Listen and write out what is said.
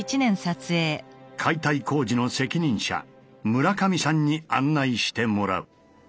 解体工事の責任者村上さんに案内してもらう。